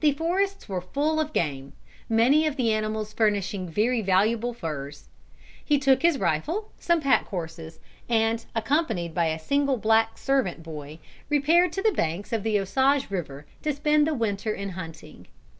The forests were full of game, many of the animals furnishing very valuable furs. He took his rifle, some pack horses, and, accompanied by a single black servant boy, repaired to the banks of the Osage River to spend the winter in hunting.